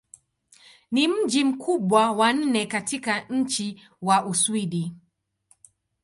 Ni mji mkubwa wa nne katika nchi wa Uswidi.